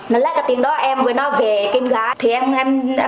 nói lẽ cái tiếng đó em ngồi nói về kênh gái thì em đưa một lần thôi